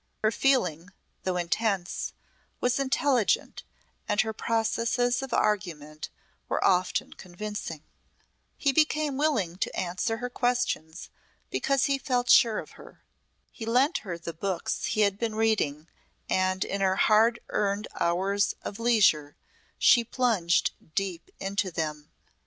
Her feeling, though intense, was intelligent and her processes of argument were often convincing. He became willing to answer her questions because he felt sure of her. He lent her the books he had been reading and in her hard earned hours of leisure she plunged deep into them.